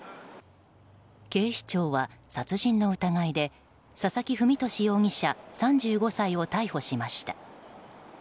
警視庁は、殺人の疑いで佐々木文俊容疑者、３５歳を逮捕しました。